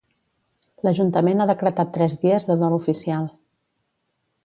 L'ajuntament ha decretat tres dies de dol oficial.